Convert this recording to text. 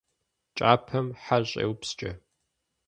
Кӏапэм хьэр щӏеупскӏэ.